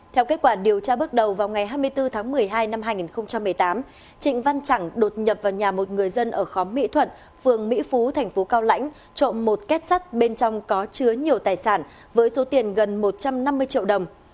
theo kết quả điều tra bước đầu vào ngày hai mươi bốn tháng một mươi hai năm hai nghìn một mươi tám trịnh văn chẳng đột nhập vào nhà một người dân ở khóm mỹ thuận phường mỹ phú thành phố cao lãnh trộm một kết sắt bên trong có chứa nhiều tài sản với số tiền gần một trăm năm mươi triệu đồng